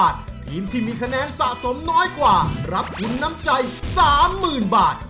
ทีมที่มีคะแนนสะสมน้อยกว่ารับทุนน้ำใจ๓๐๐๐บาท